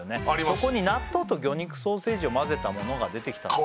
ここに納豆と魚肉ソーセージを混ぜたものが出てきたんです